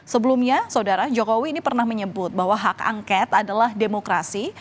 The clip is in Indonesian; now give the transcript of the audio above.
sebelumnya saudara jokowi ini pernah menyebut bahwa hak angket adalah demokrasi